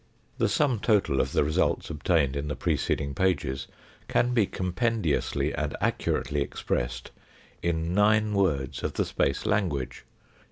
The sum total of the results obtained in the preceding pages can be compendiously and accurately expressed in nine words of the Space Language.